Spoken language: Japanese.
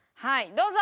どうぞ！